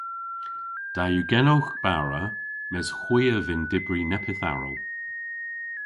Da yw genowgh bara mes hwi a vynn dybri neppyth aral!